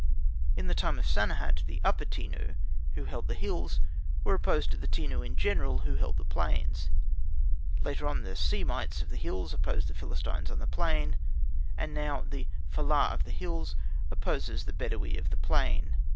In the time of Sanehat the upper Tenu who held the hills were opposed to the Tenu in general who held the plains; later on the Semites of the hills opposed the Philistines of the plain, and now the fellah of the hills opposes the Bedawi of the plain.